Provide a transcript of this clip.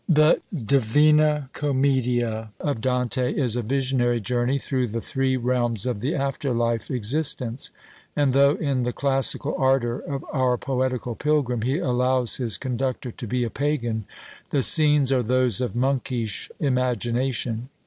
The Divina Commedia of Dante is a visionary journey through the three realms of the after life existence; and though, in the classical ardour of our poetical pilgrim, he allows his conductor to be a Pagan, the scenes are those of monkish imagination.